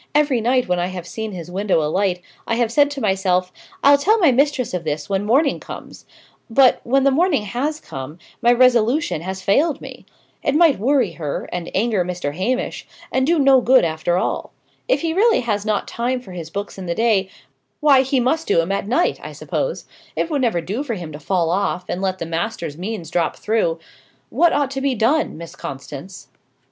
"Every night when I have seen his window alight, I have said to myself, 'I'll tell my mistress of this when morning comes;' but, when the morning has come, my resolution has failed me. It might worry her, and anger Mr. Hamish, and do no good after all. If he really has not time for his books in the day, why he must do 'em at night, I suppose; it would never do for him to fall off, and let the master's means drop through. What ought to be done, Miss Constance?"